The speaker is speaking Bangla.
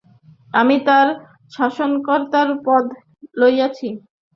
আমি তার শাসনকর্তার পদ লইয়াছিলাম।